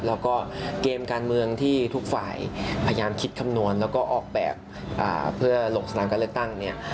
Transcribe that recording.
แล้วก็เกมการเมืองที่ทุกฝ่ายพยายามคิดคำนวณแล้วก็ออกแบบเพื่อลงสนามการเลือกตั้งเนี่ย